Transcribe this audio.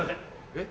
えっ？